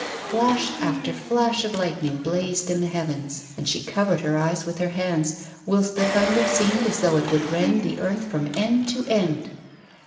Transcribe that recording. Flash after flash of lightning blazed in the heavens, and she covered her eyes with her hands, whilst the thunder seemed as though it would rend the earth from end to end.